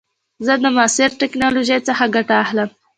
زه د معاصر ټکنالوژۍ څخه ګټه اخلم.